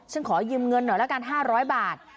ฉันขอยืมเงินหน่อยละกันห้าร้อยบาท